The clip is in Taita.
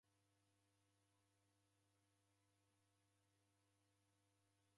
Machungwa ghake ghebia